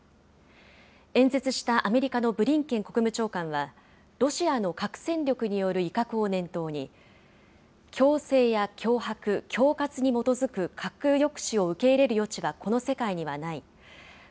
演説したアメリカのブリンケン国務長官は、ロシアの核戦力による威嚇を念頭に、強制や脅迫、恐喝に基づく核抑止を受け入れる余地はこの世界にはない。